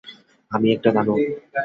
আমি একটা দানব।